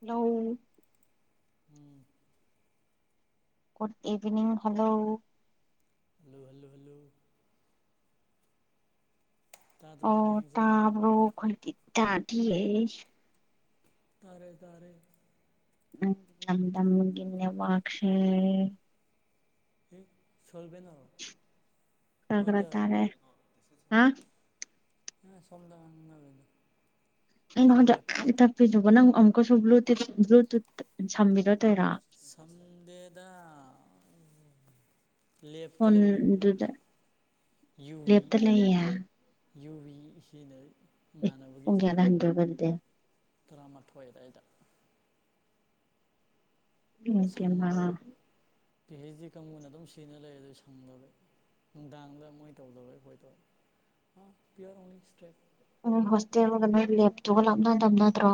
ꯅꯧ ꯎꯝ good evening hello hello hello hello ꯇꯥꯗ꯭ꯔꯣ ꯑꯩ ꯑꯣ ꯉꯥꯡꯉꯤꯁꯦ ꯇꯥꯕ꯭ꯔꯣ ꯑꯩꯈꯣꯏꯗꯤ ꯇꯥꯗꯤꯌꯦ ꯇꯥꯔꯦ ꯇꯥꯔꯦ ꯎꯝ ꯅꯝꯗꯝꯅꯤꯒꯤ ꯅꯦꯠꯋꯥꯛꯁꯦ ꯍꯦ ꯊꯣꯏꯕꯤꯅꯣ ꯈꯔꯥ-ꯈꯔꯥ ꯇꯥꯔꯦ ꯑ ꯅꯪꯅ ꯁꯣꯝꯗ ꯉꯥꯡꯅꯕꯩꯗꯣ ꯑꯩꯉꯣꯟꯗ ꯌꯥꯝ ꯇꯞꯄꯤꯗꯨꯕꯨ ꯅꯪ ꯑꯃꯨꯛꯀꯁꯨ ꯕ꯭ꯂꯨꯇꯤꯞ ꯕ꯭ꯂꯨꯇꯨꯠ ꯁꯝꯕꯤꯗꯣ ꯇꯣꯏꯔꯣ ꯁꯝꯗꯦꯗ ꯂꯦꯞꯇ ꯂꯩꯔꯤ ꯐꯣꯟꯗꯨꯗ ꯑꯩꯈꯣꯏꯒꯤ ꯌꯨꯕꯤ ꯂꯦꯞꯇ ꯂꯩꯌꯦ ꯌꯨꯚꯤ ꯁꯤꯖꯤꯟꯅꯔꯤ ꯏ ꯄꯨꯡ ꯀꯌꯥꯗ ꯍꯟꯗꯣꯏꯕ ꯑꯗꯨꯗꯤ ꯇꯔꯥꯃꯥꯊꯣꯏ ꯑꯗꯥꯏꯗ ꯏꯃꯥ ꯁꯪꯗꯕ ꯄꯤ ꯍꯦꯁꯇꯤ ꯀꯥꯡꯕꯨꯅ ꯑꯗꯨꯝ ꯁꯤꯖꯤꯟꯅ ꯂꯩꯂꯦꯗ ꯁꯪꯗꯕꯩ ꯅꯨꯡꯗꯥꯡꯗ ꯃꯣꯏ ꯇꯧꯗꯕꯣꯏ ꯑꯩꯈꯣꯏ ꯇꯧꯋꯦ ꯄꯤꯌꯔ ꯑꯣꯡꯂꯤ ꯁꯇ꯭ꯔꯦꯇ ꯅꯪ ꯍꯣꯁꯇꯦꯜꯒ ꯅꯣꯏ ꯂꯦꯞꯇꯨꯒ ꯂꯥꯞꯅꯗꯝꯅꯠꯗ꯭ꯔꯣ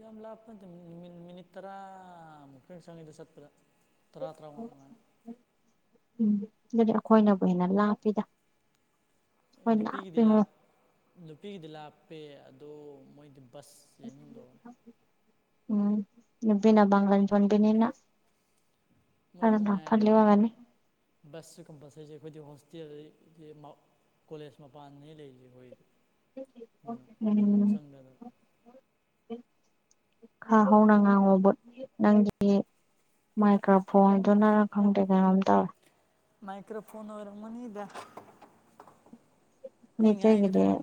ꯌꯥꯝ ꯂꯥꯞꯄ ꯅꯠꯇꯦ ꯃꯤꯅꯤꯠ ꯃꯤꯅꯤꯠ ꯇꯔꯥꯃꯨꯛ ꯈꯔ ꯆꯪꯉꯦ ꯑꯗꯨ ꯆꯠꯄꯗ ꯇꯔꯥ ꯇꯔꯥꯉꯥ ꯑꯗꯨꯃꯥꯏꯅ ꯎꯝ ꯑꯗꯨꯗꯤ ꯑꯩꯈꯣꯏꯅꯕꯨ ꯍꯦꯟꯅ ꯂꯥꯞꯄꯤꯗ ꯑꯦ ꯑꯩꯈꯣꯏ ꯅꯨꯄꯤꯒꯤꯗꯤ ꯂꯥꯞꯄꯤꯉꯣ ꯂꯥꯞ ꯅꯨꯄꯤꯒꯤꯗꯤ ꯂꯥꯞꯄꯦ ꯑꯗꯣ ꯃꯣꯏꯗꯤ ꯕꯁ [unintelligible] ꯎꯝ ꯅꯨꯄꯤꯅ ꯄꯥꯡꯒꯟ ꯁꯣꯟꯕꯤꯅꯤꯅ ꯃꯣꯏꯗꯤ ꯅꯨꯡꯉꯥꯏ ꯌꯦꯗ ꯑꯣꯏꯔꯝꯒꯅꯤ ꯕꯁꯁꯨ ꯀꯝꯄꯜꯁꯔꯤ ꯑꯩꯈꯣꯏꯗꯤ ꯍꯣꯁꯇꯦꯜꯗꯤ [unintelligible] ꯀꯣꯂꯦꯖ ꯃꯄꯥꯟ ꯗꯅꯤ ꯂꯩꯔꯤꯁꯤ ꯑꯩꯈꯣꯏꯗꯤ ꯃꯅꯨꯡ ꯆꯪꯗꯗꯅ ꯈꯥ ꯍꯧꯅꯥꯉꯥꯉꯣ ꯕꯨꯠ ꯅꯪꯒꯤꯌꯦ ꯃꯥꯏꯀ꯭ꯔꯣꯐꯣꯟꯗꯨ ꯅꯪꯔ ꯈꯪꯗꯦ ꯀꯩꯅꯣꯝ ꯇꯧꯋꯦ ꯃꯥꯏꯀ꯭ꯔꯐꯣꯟ ꯑꯣꯏꯔꯝꯒ ꯅꯤꯗ ꯑꯩꯅ ꯉꯥꯡꯏꯁꯦ ꯃꯤꯇꯩꯒꯤꯗꯤ ꯐꯅ ꯌꯥꯝ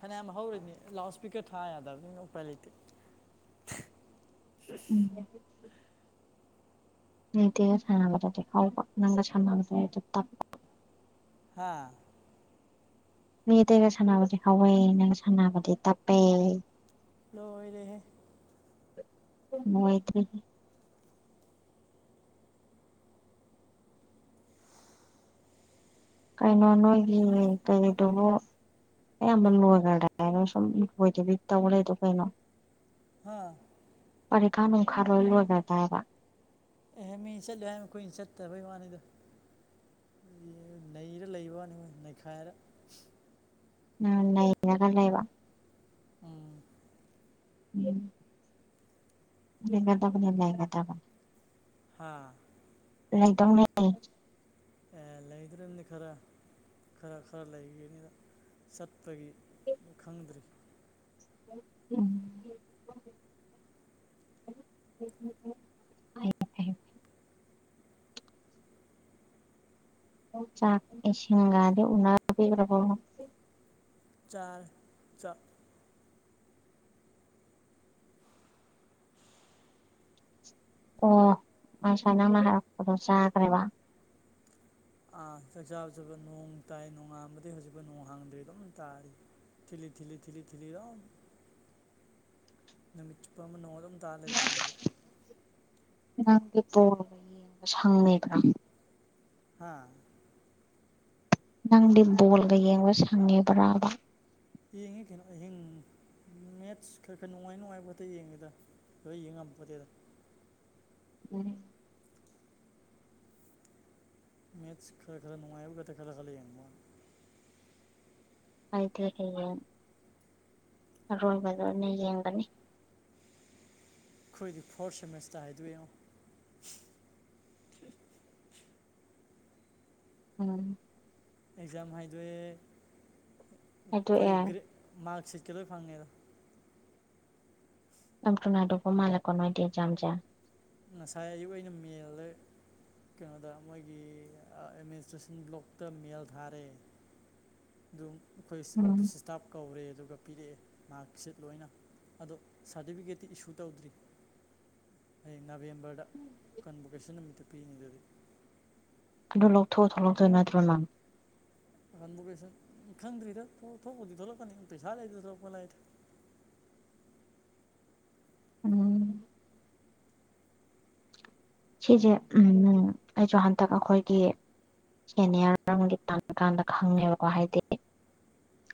ꯐꯅꯌꯥꯝ ꯍꯧꯔꯅꯤ ꯂꯥꯎꯠ ꯏꯁꯄꯤꯀꯔ ꯊꯥ ꯌꯥꯗꯕꯅꯤꯅ ꯎꯄꯥꯏ ꯂꯩꯇꯦ [unintelligible] ꯃꯤ ꯑꯇꯩ ꯁꯥꯅꯕꯗꯗꯤ ꯍꯧꯕ ꯅꯪꯒ ꯁꯥꯅꯕꯗꯗꯤ ꯇꯞꯄ ꯍꯥꯥ ꯃꯤ ꯑꯇꯩꯒ ꯁꯥꯟꯅꯕꯗꯤ ꯍꯧꯋꯦ ꯅꯪꯒ ꯁꯥꯟꯅꯕꯗꯤ ꯇꯞꯄꯦ ꯂꯣꯏꯔꯦꯍꯦ ꯂꯣꯏꯗ꯭ꯔꯦꯍꯦ ꯀꯩꯅꯣ ꯅꯣꯏꯒꯤ ꯀꯩꯅꯣꯗꯨꯕꯨ ꯑꯌꯥꯝꯕ ꯂꯣꯏꯈ꯭ꯔꯗ꯭ꯔꯥ ꯁꯨꯝ ꯂꯣꯏꯗꯕꯤ ꯇꯧ ꯂꯩꯔꯤꯗꯨꯕꯨ ꯀꯩꯅꯣ ꯍꯥꯥ ꯄꯔꯤꯈꯥ ꯅꯨꯡꯈꯥ ꯂꯣꯏ ꯂꯣꯏꯒ꯭ꯔꯗꯥꯏꯕ ꯑꯦꯍ ꯃꯤ ꯆꯠꯂꯨ ꯍꯥꯏ ꯑꯩꯈꯣꯏꯅ ꯆꯠꯇꯕꯩ ꯋꯥꯅꯤꯗꯣ ꯅꯩꯔ ꯂꯩꯕꯩ ꯋꯥꯅꯤ ꯅꯩꯈꯥꯏꯔ ꯎꯝ ꯅꯩꯔꯒ ꯂꯩꯩꯕ ꯎꯝ ꯎꯝ ꯂꯩꯒꯗꯕꯅꯤ ꯂꯩꯒꯗꯕ ꯍꯥꯥ ꯂꯩꯗꯧꯅꯦ ꯑꯦ ꯂꯩꯗꯧꯔꯤꯝꯅꯤ ꯈꯔ ꯈꯔ ꯈꯔ ꯂꯩꯒꯅꯤꯗ ꯆꯠꯄꯒꯤ ꯈꯪꯗ꯭ꯔꯤ ꯎꯝ ꯐꯩ ꯐꯩ ꯆꯥꯛ ꯏꯁꯤꯟꯒꯥꯗꯤ ꯎꯅꯕꯤꯔꯕꯣ ꯆꯥꯔꯦ ꯆꯥꯛ ꯑꯣ ꯉꯁꯥꯏ ꯅꯪꯅ ꯍꯥꯏꯔꯛꯄꯗꯣ ꯆꯥꯈ꯭ꯔꯦꯕ ꯑꯥ ꯆꯥꯛꯆꯥꯥꯕ ꯆꯠꯄ ꯅꯣꯡ ꯇꯥꯏ ꯅꯣꯡꯉꯥꯝꯕꯗꯩ ꯍꯧꯖꯤꯛꯄꯨ ꯅꯣꯡ ꯍꯥꯡꯗ꯭ꯔꯤ ꯑꯗꯨꯝ ꯇꯥꯔꯤ ꯊꯤꯂꯤ ꯊꯤꯂꯤ ꯊꯤꯂꯤ ꯊꯤꯂꯤ ꯑꯗꯨꯝ ꯅꯨꯃꯤꯠ ꯆꯨꯞꯄ ꯑꯃ ꯅꯣꯡ ꯑꯗꯨꯝ ꯇꯥ ꯂꯩꯕꯤꯅꯤꯕ ꯅꯪꯗꯤ ꯕꯣꯜ ꯌꯦꯡꯕ ꯁꯪꯏꯕ꯭ꯔ ꯍꯥꯥ ꯅꯪꯗꯤ ꯕꯣꯜꯒ ꯌꯦꯡꯕ ꯁꯪꯉꯤꯕ꯭ꯔꯕ ꯌꯦꯡꯉꯤ ꯀꯩꯅꯣ ꯑꯍꯤꯡ ꯃꯦꯠꯁ ꯈꯔ ꯈꯔ ꯅꯨꯡꯉꯥꯏ ꯅꯨꯡꯉꯥꯏꯕ ꯈꯦꯛꯇ ꯌꯦꯡꯉꯤꯗ ꯂꯣꯏ ꯌꯦꯡ ꯉꯝꯄꯣꯟꯇꯦꯗ ꯎꯝ ꯃꯦꯠꯁ ꯈꯔ ꯈꯔ ꯅꯨꯡꯉꯥꯏꯕ ꯈꯛꯇ ꯈꯜꯂ ꯈꯜꯂ ꯌꯦꯡꯕ ꯋꯥꯅꯤ [unintelligible] ꯑꯔꯣꯏꯕꯗ ꯑꯣꯏꯅ ꯌꯦꯡꯒꯅꯤ ꯑꯩꯈꯣꯏꯗꯤ ꯐꯣꯔꯠ ꯁꯦꯃꯦꯁꯇꯔ ꯍꯥꯏꯗꯣꯏ ꯑꯦꯉꯣ ꯎꯝ ꯑꯦꯛꯖꯥꯝ ꯍꯥꯏꯗꯣꯏꯑꯦ ꯑꯩꯈꯣꯏ ꯍꯥꯏꯗꯣꯛꯑꯦ ꯒ꯭ꯔꯦ ꯃꯥꯔꯛ ꯁꯤꯠꯀꯤ ꯂꯣꯏ ꯐꯪꯉꯦꯗ ꯌꯥꯝ ꯊꯨꯅ ꯍꯥꯏꯗꯣꯛ ꯃꯥꯜꯂꯤꯀꯣ ꯅꯣꯏꯗꯤ ꯑꯦꯛꯖꯥꯝꯁꯦ ꯉꯁꯥꯏ ꯑꯌꯨꯛ ꯑꯩꯅ ꯃꯦꯜꯂ ꯀꯩꯅꯣꯗ ꯃꯣꯏꯒꯤ ꯑꯥ ꯑꯦꯗꯃꯤꯅꯤꯁꯇ꯭ꯔꯦꯁꯟ ꯕ꯭ꯂꯣꯛꯇ ꯃꯦꯜ ꯊꯥꯔꯦ ꯑꯗꯨꯝ ꯑꯩꯈꯣꯏ ꯎꯝ ꯑꯣꯐꯤꯁ ꯏꯁ꯭ꯇꯥꯞ ꯀꯧꯔꯦ ꯑꯗꯨꯒ ꯄꯤꯔꯛꯑꯦ ꯃꯥꯔꯛꯁꯤꯠ ꯂꯣꯏꯅ ꯑꯗꯣ ꯁꯥꯔꯇꯤꯐꯤꯀꯦꯠꯇꯤ ꯏꯁꯨ ꯇꯧꯗ꯭ꯔꯤ ꯍꯌꯦꯡ ꯅꯕꯦꯝꯕꯔꯗ ꯀꯟ ꯚꯣꯀꯦꯁꯟ ꯅꯨꯃꯤꯠꯇ ꯄꯤꯅꯤ ꯑꯗꯨꯗꯤ ꯑꯗꯨ ꯂꯧꯊꯣꯛꯑ ꯊꯣꯛꯂꯛꯇꯣꯏ ꯅꯠꯇ꯭ꯔꯣ ꯅꯪ ꯀꯟꯕꯣꯀꯦꯁꯟ ꯈꯪꯗ꯭ꯔꯤꯗ ꯊꯣꯛꯂꯄꯗꯤ ꯊꯣꯛꯂꯛꯀꯅꯤ ꯄꯩꯁꯥ ꯂꯩꯔꯗꯤ ꯊꯣꯛꯂꯛꯄ ꯂꯥꯏꯗ ꯎꯝ ꯁꯤꯁꯦ ꯎꯝ ꯎꯝ ꯑꯩꯁꯨ ꯍꯟꯗꯛ ꯑꯩꯈꯣꯏꯒꯤ ꯁꯦꯅꯤꯌꯔ ꯑꯃꯒꯤ ꯇꯝꯀꯥꯟꯗ ꯈꯪꯉꯦꯕꯀꯣ ꯍꯥꯏꯗꯤ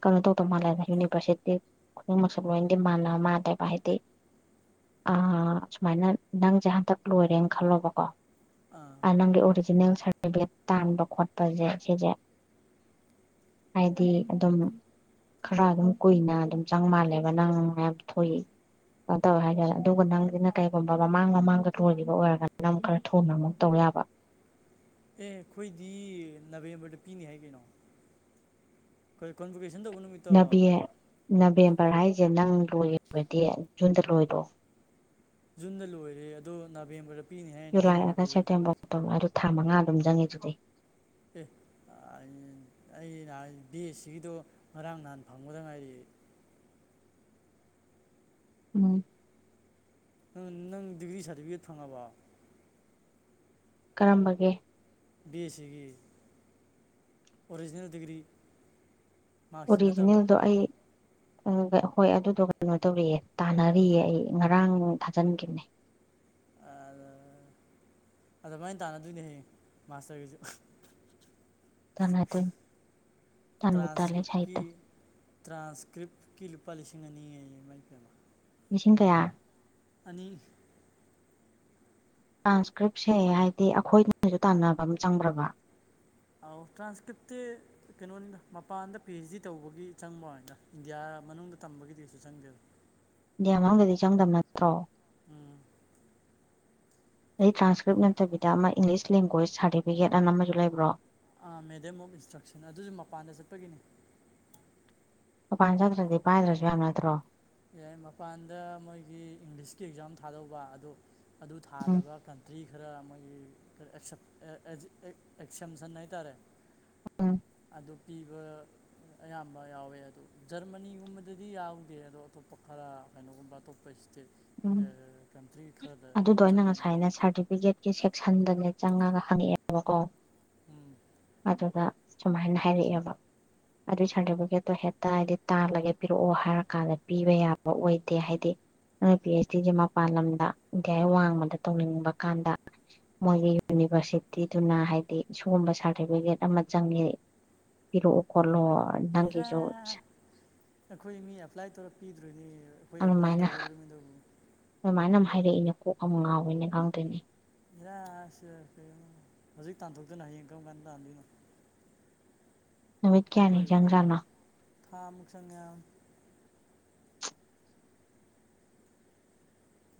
ꯀꯩꯅꯣ ꯇꯧꯗ ꯃꯥꯥꯜꯂꯦ ꯌꯨꯅꯤꯚ꯭ꯔꯁꯤꯇꯤ ꯈꯨꯗꯤꯛꯃꯛꯁꯨ ꯂꯣꯏꯟꯗꯤ ꯃꯥꯟꯅ ꯃꯥꯜꯂꯦ ꯍꯥꯏꯗꯤ ꯑꯥ ꯁꯨꯃꯥꯏꯅ ꯅꯪꯁꯦ ꯍꯟꯗꯛ ꯂꯣꯏꯔꯦꯅ ꯈꯜꯂꯣꯕꯀꯣ ꯑꯥ ꯅꯪꯒꯤ ꯑꯣꯔꯤ ꯑꯣꯔꯤꯖꯤꯅꯦꯜ ꯁꯥꯔꯇꯤꯐꯤꯀꯦꯠ ꯇꯥꯟꯕ ꯈꯣꯠꯄꯁꯦ ꯁꯤꯁꯦ ꯍꯥꯏꯗꯤ ꯑꯗꯨꯝ ꯈꯔ ꯑꯗꯨꯝ ꯀꯨꯏꯅ ꯑꯗꯨꯝ ꯆꯪ ꯃꯥꯜꯂꯦꯕ ꯅꯪ ꯌꯥꯝ ꯊꯨꯏ ꯇꯧꯋꯦ ꯍꯥꯏꯇꯔꯦ ꯑꯗꯨꯒ ꯅꯪꯁꯤꯅ ꯀꯩꯒꯨꯝꯕ ꯃꯃꯥꯡ ꯃꯃꯥꯡꯗ ꯂꯣꯏꯒꯤꯕ ꯑꯣꯏꯔꯒꯅ ꯂꯝ ꯈꯔ ꯊꯨꯅ ꯑꯃꯨꯛ ꯇꯧ ꯌꯥꯕ ꯑꯦ ꯑꯩꯈꯣꯏꯗꯤ ꯅꯕꯦꯝꯕꯔꯗ ꯄꯤꯅꯤ ꯍꯥꯏ ꯀꯩꯅꯣ ꯀꯦ ꯀꯣꯟꯕꯣꯀꯦꯟ ꯇꯧꯕ ꯅꯨꯃꯤꯠ ꯅꯕꯦ ꯅꯕꯦꯝꯕꯔ ꯍꯥꯏꯁꯦ ꯅꯪ ꯂꯣꯏꯕꯗꯤ ꯖꯨꯟꯗ ꯂꯣꯏꯔꯣ ꯖꯨꯟꯗ ꯂꯣꯏꯔꯦ ꯑꯗꯣ ꯅꯕꯦꯝꯕꯔꯗ ꯄꯤꯅꯤ ꯍꯥꯏꯔꯤꯅꯦ ꯑꯩꯈꯣꯏ ꯃꯅꯤꯄꯨꯔꯗ ꯇꯧꯔꯣ ꯑꯗꯨ ꯊꯥ ꯃꯉꯥ ꯑꯗꯨꯝ ꯆꯪꯉꯤꯗꯨꯗꯤ ꯑꯦ [unintelligible] ꯑꯩꯅ ꯍꯥꯏ ꯕꯤ꯬ ꯑꯦꯁ ꯁꯤꯒꯤꯗꯣ ꯉꯔꯥꯡ ꯅꯍꯥꯟ ꯐꯪꯕꯗ ꯉꯥꯏꯔꯤ ꯎꯝ ꯅꯪ ꯗꯤꯒ꯭ꯔꯤ ꯁꯥꯔꯇꯤꯐꯤꯀꯦꯠ ꯐꯪꯉꯕꯣ ꯀꯔꯝꯕꯒꯤ ꯕꯤ꯬ ꯑꯦꯁ ꯁꯤꯒꯤ ꯑꯣꯔꯤꯖꯤꯅꯦꯜ ꯗꯤꯒ꯭ꯔꯤ ꯃꯥꯔꯛꯁꯤ ꯅꯠꯇꯕ ꯑꯣꯔꯤꯖꯤꯅꯦꯜꯗꯣ ꯑꯩ ꯑꯈꯣꯏ ꯑꯗꯨꯗꯣ ꯀꯩꯅꯣ ꯇꯧꯔꯤꯌꯦ ꯇꯥꯟꯅꯔꯤꯌꯦ ꯑꯩ ꯉꯔꯥꯡ ꯊꯥꯖꯤꯟꯒꯤꯝꯅꯦ ꯑꯥ ꯑꯗꯨꯃꯥꯏꯅ ꯇꯥꯟꯅꯗꯣꯏꯅꯦ ꯍꯌꯦꯡ ꯃꯥꯁꯇ꯭ꯔꯒꯤꯁꯨ ꯇꯥꯟꯅꯗꯣꯏꯅꯤ ꯇꯥꯟꯕꯨ ꯇꯥꯜꯂꯦ ꯇ꯭ꯔꯥꯟꯁꯀꯤꯞꯀꯤ ꯁꯥꯍꯤꯠꯇꯣ ꯇ꯭ꯔꯥꯟꯁꯀ꯭ꯔꯤꯞꯀꯤ ꯂꯨꯄꯥ ꯂꯤꯁꯤꯡ ꯑꯅꯤ ꯍꯥꯏꯌꯦ ꯏꯃꯥꯏ ꯄꯦꯝꯃꯥ ꯂꯤꯁꯤꯡ ꯀꯌꯥ ꯑꯅꯤ ꯇ꯭ꯔꯥꯟꯁꯀ꯭ꯔꯤꯞꯁꯦ ꯍꯥꯏꯗꯤ ꯑꯩꯈꯣꯏꯗꯅꯁꯨ ꯇꯥꯟꯅꯕ ꯑꯝ ꯆꯪꯕ꯭ꯔꯕ ꯑꯧ ꯇ꯭ꯔꯥꯟꯁꯀꯤꯞꯇꯤ ꯀꯩꯅꯣꯅꯤꯗ ꯃꯄꯥꯟꯗ ꯄꯤ꯬ꯑꯩꯩꯆ꯬ ꯗꯤ ꯇꯧꯕꯒꯤ ꯆꯪꯕ ꯋꯥꯅꯤꯗ ꯏꯟꯗꯤꯌꯥ ꯃꯅꯨꯡꯗ ꯇꯝꯕꯒꯤꯗꯤ ꯀꯩꯁꯨ ꯆꯪꯗꯦꯕ ꯏꯟꯗꯤꯌꯥ ꯃꯅꯨꯡꯗꯗꯤ ꯆꯪꯗꯝ ꯅꯠꯇ꯭ꯔꯣ ꯎꯝ ꯑꯗꯩ ꯇ꯭ꯔꯥꯟꯁꯀ꯭ꯔꯤꯞ ꯎꯝ ꯅꯠꯇꯕꯤꯗ ꯑꯃꯥ ꯏꯪꯂꯤꯁ ꯂꯦꯡꯒ꯭ꯋꯦꯁ ꯁꯥꯔꯇꯤꯐꯤꯀꯦꯠꯅ ꯑꯃꯁꯨ ꯂꯩꯕ꯭ꯔꯣ ꯑꯥ ꯃꯦꯗꯝ ꯑꯣꯐ ꯏꯟꯁꯇ꯭ꯔꯛꯁꯟ ꯑꯗꯨꯁꯨ ꯃꯄꯥꯟꯗ ꯆꯠꯄꯒꯤꯅꯤ ꯄꯥꯟ ꯆꯥꯠꯇ꯭ꯔꯗꯤ ꯄꯥꯏꯗ꯭ꯔꯁꯨ ꯌꯥꯕ ꯅꯠꯇ꯭ꯔꯣ ꯌꯥꯏ ꯃꯄꯥꯟꯗ ꯃꯣꯏꯒꯤ ꯏꯪꯂꯤꯁꯀꯤ ꯑꯦꯛꯖꯥꯝ ꯊꯥꯗꯧꯕ ꯑꯗꯨ ꯑꯗꯨ ꯎꯝ ꯊꯥꯗꯕ ꯀꯟ ꯆꯍꯤ ꯈꯔ ꯃꯣꯏꯒꯤ [inaudible] ꯑꯦꯛꯁꯦꯝꯁꯟ ꯍꯥꯏꯇꯥꯔꯦ ꯎꯝ ꯑꯗꯨ ꯄꯤꯕ ꯑꯌꯥꯝꯕ ꯌꯥꯎꯋꯦ ꯑꯗꯣ ꯖꯔꯃꯅꯤꯒꯨꯝꯕꯗꯗꯤ ꯌꯥꯎꯗꯦ ꯑꯗꯣ ꯑꯇꯣꯞꯄ ꯈꯔ ꯀꯩꯅꯣꯒꯨꯝꯕ ꯑꯇꯣꯞꯄ ꯏꯁꯇꯦꯠ ꯎꯝ ꯀꯟꯇ꯭ꯔꯤ ꯈꯔꯗ ꯆꯠꯅꯩ ꯑꯗꯨꯝ ꯇꯤꯀꯦꯠꯀꯤ ꯁꯦꯛꯁꯟꯗꯅꯦ ꯆꯪꯉꯒ ꯍꯪꯉꯛꯑꯦꯕꯀꯣ ꯎꯝ ꯑꯗꯨꯗ ꯁꯨꯃꯥꯏꯅ ꯍꯥꯏꯔꯛꯑꯦꯕ ꯑꯗꯨꯏ ꯁꯥꯔꯇꯤꯐꯤꯀꯦꯠꯇꯣ ꯍꯦꯛꯇ ꯍꯥꯏꯗꯤ ꯇꯥꯜꯂꯒꯦ ꯄꯤꯔꯛꯑꯣ ꯍꯥꯏꯔ ꯀꯥꯟꯗ ꯄꯤꯕ ꯌꯥꯕ ꯑꯣꯏꯗꯦ ꯍꯥꯏꯗꯤ ꯑꯗꯨ ꯄꯤ ꯑꯩꯆ ꯗꯤꯁꯦ ꯃꯄꯥꯟ ꯂꯝꯗ ꯏꯟꯗꯤꯌꯥꯏ ꯋꯥꯡꯃꯗ ꯇꯧꯅꯤꯡꯕ ꯀꯥꯟꯗ ꯃꯣꯏꯒꯤ ꯌꯨꯅꯤꯚꯔꯁꯤꯇꯤꯗꯨꯅ ꯍꯥꯏꯗꯤ ꯁꯤꯒꯨꯝꯕ ꯁꯥꯔꯇꯤꯐꯤꯀꯦꯠ ꯑꯃ ꯆꯪꯉꯤ ꯄꯤꯔꯛꯑꯣ ꯈꯣꯠꯂꯣ ꯍꯦꯔꯥ ꯅꯪꯒꯤꯁꯨ ꯑꯩꯈꯣꯏꯅꯤ ꯑꯦꯄ꯭ꯂꯥꯏ ꯇꯧꯔ ꯄꯤꯗ꯭ꯔꯣꯏꯅꯦ ꯑꯩꯈꯣꯏ ꯑꯦꯄ꯭ꯂꯥꯏ ꯑꯗꯨꯃꯥꯏꯅ [unintelligible] ꯑꯗꯨꯃꯥꯏꯅ ꯑꯃ ꯍꯥꯏꯔꯛꯏꯅꯦ ꯀꯣꯛ ꯑꯃ ꯉꯥꯎꯋꯤꯅꯦ ꯈꯪꯗꯦꯅꯦ ꯏꯔꯥꯁꯤ ꯀꯩꯅꯣ ꯍꯧꯖꯤꯛ ꯇꯥꯟꯊꯣꯛꯇꯅ ꯍꯌꯦꯡ ꯀꯔꯝ ꯀꯥꯟꯗ ꯇꯥꯟꯗꯣꯏꯅꯣ [inaudible] ꯀꯌꯥꯅꯤ ꯍꯣꯏ ꯍꯧꯖꯤꯛꯇꯤ ꯆꯪꯖꯥꯠꯅꯣ ꯊꯥꯃꯨꯛ ꯆꯪꯉꯦ ꯍꯥꯏꯕꯅꯤ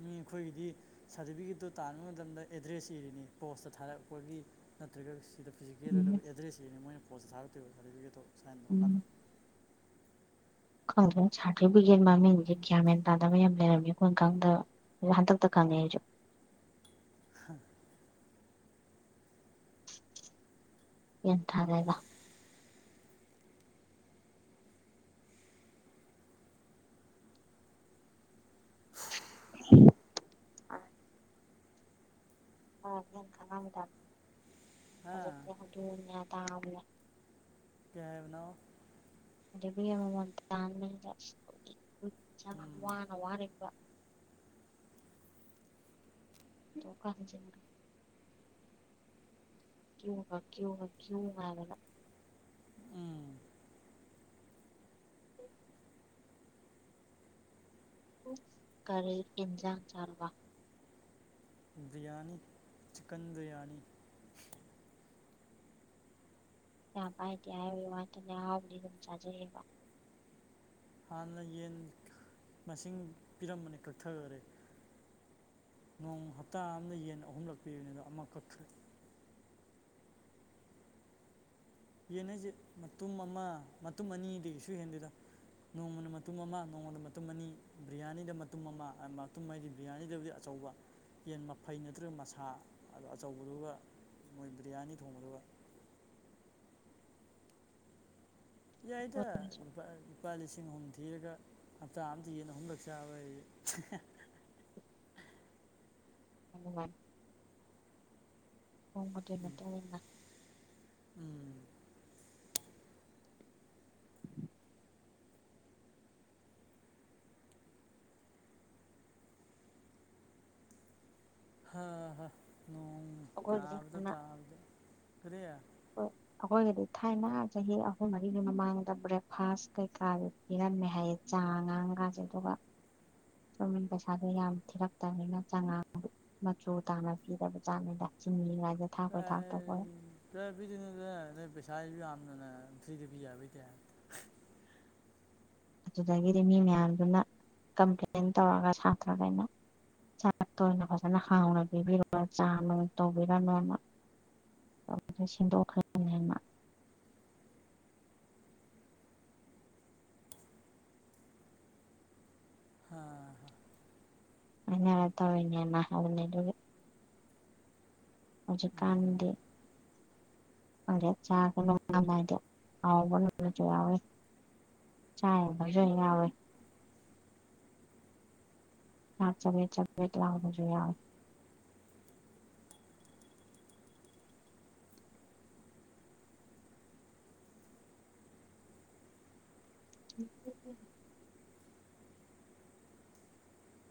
ꯃꯤ ꯑꯩꯈꯣꯏꯒꯤꯗꯤ ꯁꯥꯔꯇꯤꯐꯤꯀꯦꯠꯇꯣ ꯇꯥꯟꯕ ꯃꯇꯝꯗ ꯑꯦꯗ꯭ꯔꯦꯁ ꯏꯔꯤꯅꯤ ꯄꯣꯁꯇ ꯊꯥꯔꯛꯄꯒꯤ ꯅꯠꯇ꯭ꯔꯒ ꯁꯤꯗ ꯐꯤꯖꯤꯀꯦꯜꯗ ꯎꯝ ꯂꯧꯕ ꯑꯦꯗ꯭ꯔꯦꯁꯁꯤꯡ ꯃꯣꯏ ꯄꯣꯁꯇ ꯊꯥꯔꯛꯇꯣꯏꯕ ꯁꯥꯔꯇꯐꯤꯀꯦꯠꯇꯣ ꯁꯥꯏꯟ ꯎꯝ ꯇꯧꯔꯀꯥꯟꯗ ꯈꯪꯗꯦ ꯁꯥꯔꯇꯤꯐꯤꯀꯦꯠ ꯃꯃꯤꯡꯁꯦ ꯒ꯭ꯌꯥꯟ ꯃꯦꯟ ꯇꯥꯗꯕ ꯌꯥꯝ ꯂꯩꯔꯝꯃꯤ ꯑꯩꯈꯣꯏꯟ ꯈꯪꯗꯕ ꯍꯟꯇꯛꯇ ꯈꯪꯉꯦ ꯑꯩꯁꯨ [unintelligible] ꯌꯦꯟ [unintelligible] [unintelligible] ꯐꯔꯅꯤꯅ ꯈꯪꯉꯝꯒꯗꯕ ꯍꯥ ꯍꯧꯖꯤꯛꯇꯤ ꯑꯗꯨꯅꯦ ꯑꯗꯥꯅꯦ ꯀꯩ ꯍꯥꯏꯕꯅꯣ [inaudible] ꯎꯝ ꯋꯥꯅ ꯋꯥꯔꯤ [unintelligible] [unintelligible] ꯀ꯭ꯌꯨꯕ ꯀ꯭ꯌꯨꯕ ꯀ꯭ꯌꯨ ꯃꯥꯜꯂꯦꯕ ꯎꯝ ꯀꯔꯤ ꯏꯟꯖꯥꯡ ꯆꯥꯕ ꯕꯤꯔꯌꯥꯅꯤ ꯆꯤꯀꯟ ꯕꯤꯔꯌꯥꯅꯤ ꯄꯩꯁꯥ ꯄꯥꯏꯇꯤ ꯍꯥꯏꯕꯩ ꯋꯥꯇꯅꯦ ꯑꯍꯥꯎꯕꯗꯤ ꯑꯗꯨꯝ ꯆꯥꯖꯔꯤꯕ ꯍꯥꯟꯅ ꯌꯦꯟ ꯃꯁꯤꯡ ꯄꯤꯔꯝꯕꯅꯤ ꯀꯛꯊꯈꯔꯦ ꯅꯣꯡ ꯍꯞꯇꯥ ꯑꯃꯗ ꯌꯦꯟ ꯑꯍꯨꯝꯂꯛ ꯄꯤꯕꯅꯤ ꯑꯗꯣ ꯑꯃ ꯀꯛꯊ ꯌꯦꯟ ꯍꯥꯏꯁꯦ ꯃꯇꯨꯝ ꯑꯃ ꯃꯇꯨꯝ ꯑꯅꯤꯗꯒꯤꯁꯨ ꯍꯦꯟꯗꯦꯗ ꯅꯣꯡꯃꯅ ꯃꯇꯨꯝ ꯑꯃ ꯅꯣꯡꯃꯗ ꯃꯇꯨꯝ ꯑꯅꯤ ꯕꯤꯔꯌꯥꯅꯤꯗ ꯃꯇꯨꯝ ꯑꯃ ꯃꯇꯨꯝ ꯍꯥꯏꯗꯤ ꯕꯤꯔꯌꯥꯅꯤꯗꯕꯨꯗꯤ ꯑꯆꯧꯕ ꯌꯦꯟ ꯃꯐꯩ ꯅꯠꯇ꯭ꯔꯒ ꯃꯁꯥ ꯑꯗꯣ ꯑꯆꯧꯕꯗꯨꯒ ꯃꯣꯏ ꯕꯤꯔꯌꯥꯅꯤ ꯊꯣꯡꯕꯗꯨꯒ ꯌꯥꯏꯗ [unintelligible] ꯂꯨꯄꯥ ꯂꯤꯁꯤꯡ ꯑꯍꯨꯝ ꯊꯤꯔꯒ ꯍꯞꯇꯥ ꯑꯝꯗ ꯌꯦꯟ ꯑꯍꯨꯝꯂꯛ ꯆꯥꯕ ꯍꯥꯏꯖꯤ ꯅꯨꯉꯥꯏ [unintelligible] ꯎꯝ ꯃꯇꯨꯡ ꯏꯟꯅ ꯎꯝ ꯍ ꯍ ꯅꯣꯡ ꯑꯩꯈꯣꯏꯒꯤꯗꯤ ꯇꯥꯕꯗ ꯇꯥꯕꯗ ꯀꯔꯤ ꯍꯣꯏ ꯑꯩꯈꯣꯏꯒꯤꯗꯤ ꯊꯥꯏꯅ ꯆꯍꯤ ꯑꯍꯨꯝ ꯃꯔꯤꯒꯤ ꯃꯃꯥꯡꯗ ꯕ꯭ꯔꯦꯛꯐꯥꯁ ꯀꯩꯀꯥꯒꯤ ꯄꯤꯔꯝꯃꯦ ꯍꯥꯏꯌꯦ ꯆꯥ ꯉꯥꯡꯀꯥꯁꯦ ꯑꯗꯨꯒ [unintelligible] ꯄꯩꯁꯥꯗꯣ ꯌꯥꯝ ꯊꯤꯔꯛꯇꯝꯅꯤꯅ ꯆꯉꯥꯡ ꯃꯆꯨ ꯇꯥꯟꯅ ꯄꯤꯔꯕ ꯆꯥꯛꯅꯤꯗ [unintelligible] [unintelligible] ꯑꯗꯨꯗꯒꯤꯗꯤ ꯃꯤ ꯃꯌꯥꯝꯗꯨꯅ ꯀꯝꯄ꯭ꯂꯦꯟ ꯇꯧꯔꯒ ꯁꯥꯇ꯭ꯔꯒꯩꯅ ꯆꯥꯛꯇ ꯑꯣꯏꯅ ꯐꯖꯅ ꯍꯥꯎꯅ ꯄꯤꯕꯤꯔꯣ ꯆꯥꯅꯨꯡ ꯇꯧꯕꯤꯔꯅꯣꯅ [unintelligible] ꯁꯤꯟꯗꯣꯛꯈꯔꯦ [unintelligible] [unintelligible] ꯍꯥꯏꯅꯔ ꯇꯧꯔꯤꯅꯦꯅ ꯍꯥꯏꯕꯅꯦ ꯑꯗꯨꯒꯤ ꯎꯝ ꯍꯧꯖꯤꯛꯀꯥꯟꯗꯤ [unintelligible] ꯆꯥ ꯒ ꯅꯣꯡꯗꯝ ꯅꯥꯏꯗꯦ [unintelligible] [unintelligible] ꯆꯥꯛ ꯆꯕꯦꯠ ꯆꯕꯦꯠ ꯂꯥꯎꯕꯥꯁꯨ ꯌꯥꯎꯋꯦ [unintelligible]